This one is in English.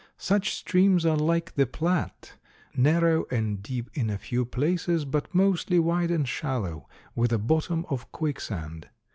Such streams are like the Platte, narrow and deep in a few places, but mostly wide and shallow, with a bottom of quicksand.